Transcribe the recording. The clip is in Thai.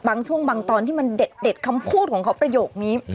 บางช่วงบางตอนที่มันเด็ดคำพูดของเขาประโยคนี้